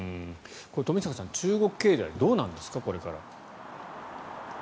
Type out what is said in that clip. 冨坂さん、中国経済どうなんですか、これから。